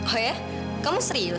oh ya kamu serius